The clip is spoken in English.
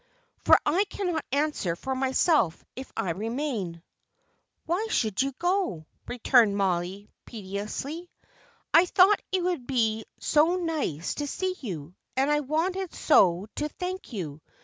for I cannot answer for myself, if I remain!" "Why should you go?" returned Mollie, piteously. "I thought it would be so nice to see you, and I wanted so to thank you.